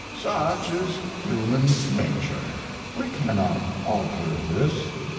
Such is human nature. We cannot alter this.